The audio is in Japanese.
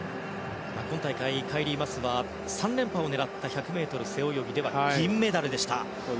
今大会、カイリー・マスは３連覇を狙った１００ｍ背泳ぎでは銀メダルでした。